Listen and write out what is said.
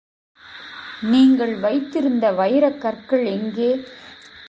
நீங்கள் வைத்திருந்த வைரக்கற்கள் எங்கே?